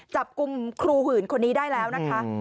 จับกลุ่มครูหื่นคนนี้ได้แล้วนะคะ